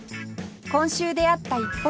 今週出会った一歩一会